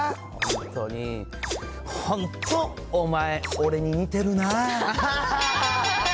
本当、お前、俺に似てるな。